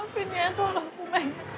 macam boxing latar orang negara nike punyapsis